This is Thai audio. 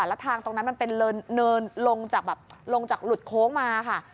แล้วทางตรงนั้นมันเป็นเนินลงจากแบบลงจากหลุดโค้งมาค่ะ